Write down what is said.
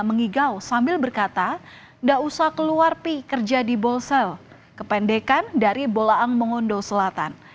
mengigau sambil berkata tidak usah keluar pi kerja di bolsel kependekan dari bolaang mongondo selatan